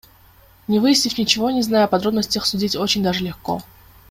Не выяснив ничего, не зная о подробностях судить очень даже легко.